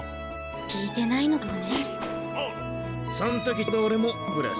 聞いてないのかもね。